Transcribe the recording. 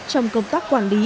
trong công tác quản lý